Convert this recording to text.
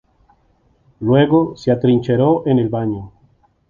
Luego se atrincheró en el baño.